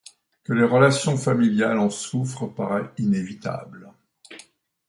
Que les relations familiales en souffrent parait inévitable.